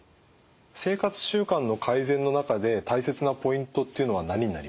生活習慣の改善の中で大切なポイントっていうのは何になりますか？